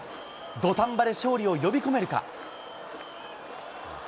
土壇場で勝利を呼び込めるか。